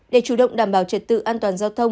để chủ động đảm bảo trật tự an toàn giao thông